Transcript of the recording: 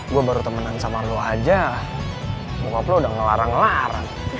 gue baru temenan sama lo aja muka lo udah ngelarang ngelarang